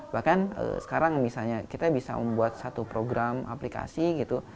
bahkan sekarang misalnya kita bisa membuat satu program aplikasi gitu